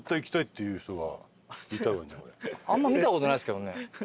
あんま見たことないっすけどね。